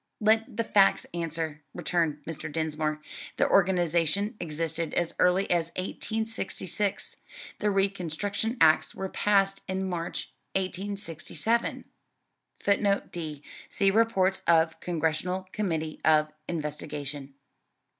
"Let the facts answer," returned Mr. Dinsmore: "the organization existed as early as 1866; the reconstruction acts were passed in March, 1867."[D] [Footnote D: See Reports of Congressional Committee of Investigation.